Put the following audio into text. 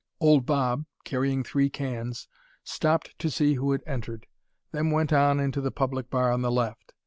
Old Bob, carrying three cans, stopped to see who had entered then went on into the public bar on the left.